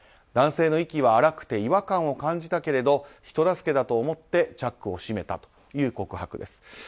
男性の息は荒くて違和感を感じたけれど人助けだと思ってチャックを閉めたという告白です。